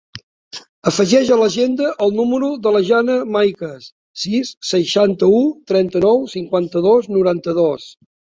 Afegeix a l'agenda el número de la Jana Maicas: sis, seixanta-u, trenta-nou, cinquanta-dos, noranta-dos.